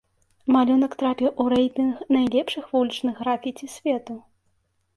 Малюнак трапіў у рэйтынг найлепшых вулічных графіці свету.